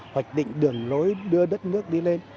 hoặc định đường lối đưa đất nước đi lên